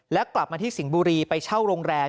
และกลับมาที่สิงห์บุรีไปเช่าโรงแรม